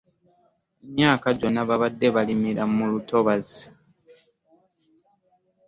Emyaka gyona babadde balimira mu lutobazzi.